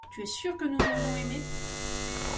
Tu es sûr que nous aurions aimé.